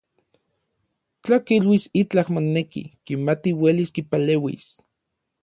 Tla kiluis itlaj moneki, kimati uelis kipaleuis.